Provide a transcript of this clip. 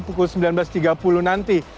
pukul sembilan belas tiga puluh nanti